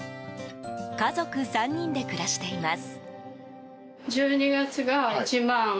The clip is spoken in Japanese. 家族３人で暮らしています。